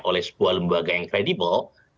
oleh sebuah lembaga yang kredibel